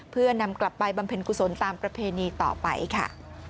เพื่อนำกลับไปบำเพ็ญกุศลตามประเพณีต่อไปค่ะ